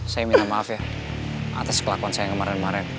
saya minta maaf ya atas kelakuan saya yang kemarin kemarin